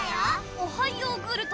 おはヨーグルト。